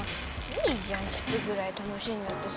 いいじゃんちょっとぐらい楽しんだってさ。